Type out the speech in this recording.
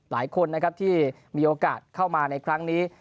ยากมีหลายคนที่มีโอกาสเข้ามาในครั้งนี้